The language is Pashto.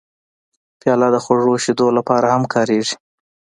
پیاله د خوږو شیدو لپاره هم کارېږي.